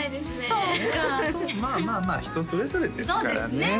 そうかまあまあまあ人それぞれですからね